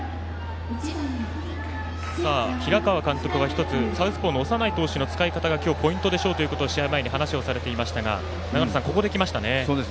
平川監督が１つサウスポーの長内投手の使い方が今日ポイントでしょうということを試合前にお話されていましたが長野さん、ここできましたね。